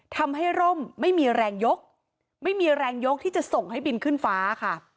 ร่มไม่มีแรงยกไม่มีแรงยกที่จะส่งให้บินขึ้นฟ้าค่ะ